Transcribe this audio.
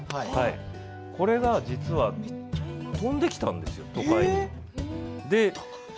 これが飛んできたんです都会に。